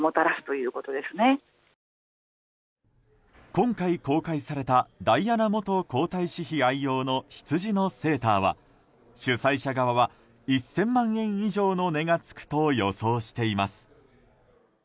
今回公開されたダイアナ元皇太子妃愛用のヒツジのセーターは主催者側は１０００万円以上の値が付くと予想しています。